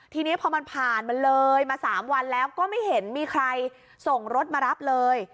ทีนี้พอมันผ่านมันเลยมา๓วันแล้วก็ไม่เห็นมีใครส่งรถมารับเลย